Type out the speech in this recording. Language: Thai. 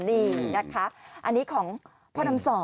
นี่นะคะอันนี้ของพ่อดำ๒